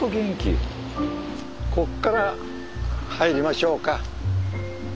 こっから入りましょうか。